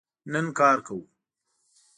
نن کار کوو